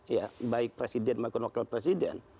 ya baik presiden maupun wakil presiden